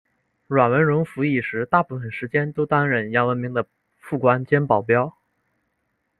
阮文戎服役时大部分时间都担任杨文明的副官兼保镖。